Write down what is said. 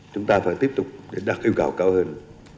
chúng ta phải tiếp tục đặt yêu cầu cao hơn